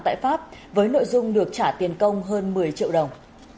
tại pháp với nội dung được trả tiền công hơn một mươi triệu đồng